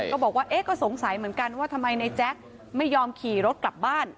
ก็บอกว่าเอ๊ะก็สงสัยเหมือนกันว่าทำไมในแจ๊คไม่ยอมขี่รถกลับบ้าน